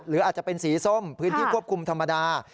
หรืออาจจะเป็นสีส้มพื้นที่ควบคุมธรรมดา